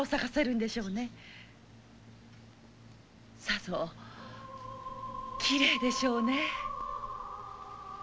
さぞきれいでしょうねぇ。